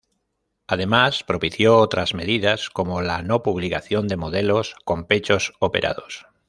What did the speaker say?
Además propició otras medidas como la no-publicación de modelos con pechos operados.